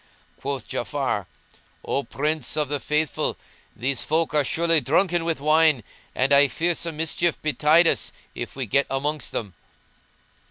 Quoth Ja'afar, "O Prince of the Faithful; these folk are surely drunken with wine, and I fear some mischief betide us if we get amongst them."